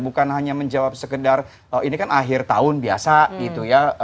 bukan hanya menjawab sekedar ini kan akhir tahun biasa gitu ya